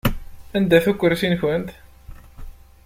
Anda-t ukursi-nkent?